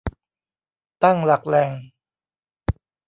ตั้งหลักแหล่ง